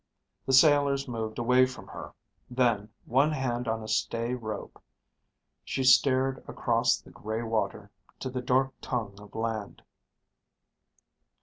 The sailors moved away from her. Then, one hand on a stay rope, she stared across the gray water to the dark tongue of land.